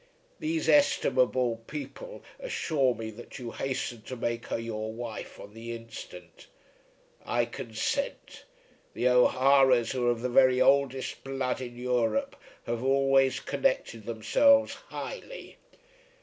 These estimable people assure me that you hasten to make her your wife on the instant. I consent. The O'Haras, who are of the very oldest blood in Europe, have always connected themselves highly.